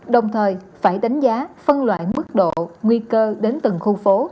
đồng thời phải đánh giá phân loại mức độ nguy cơ đến từng khu phố